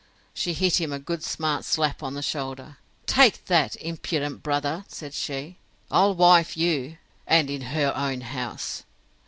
She hit him a good smart slap on the shoulder: Take that, impudent brother said she. I'll wife you, and in her own house!